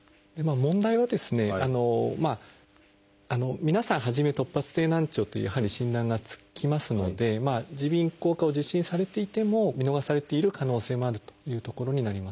問題は皆さん初め突発性難聴というやはり診断がつきますので耳鼻咽喉科を受診されていても見逃されている可能性もあるというところになりますね。